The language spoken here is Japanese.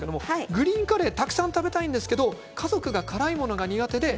グリーンカレーたくさん食べたいんですが家族が辛いものが苦手です。